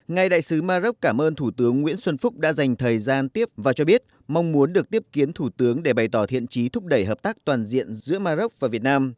ngài đại sứ maroc cảm ơn thủ tướng nguyễn xuân phúc đã dành thời gian tiếp và cho biết mong muốn được tiếp kiến thủ tướng để bày tỏ thiện trí thúc đẩy hợp tác toàn diện giữa maroc và việt nam